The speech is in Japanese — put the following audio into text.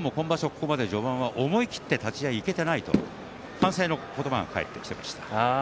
ここまで序盤は思い切って立ち合いいけていないと反省の言葉が返ってきていました。